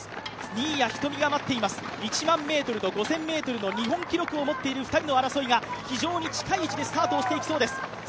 新谷仁美が待っています、１００００ｍと５０００ｍの日本記録を持っている２人の争いが非常に近い位置でスタートしていきそうです。